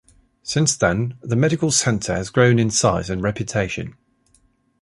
Since then, the medical center has grown in size and reputation.